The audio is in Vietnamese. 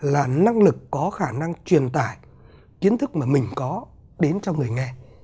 là năng lực có khả năng truyền tải kiến thức mà mình có đến cho người nghe